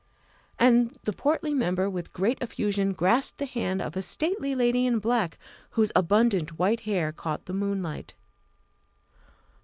And the portly member with great effusion grasped the hand of a stately lady in black, whose abundant white hair caught the moonlight.